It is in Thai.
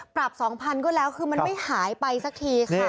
๒๐๐๐ก็แล้วคือมันไม่หายไปสักทีค่ะ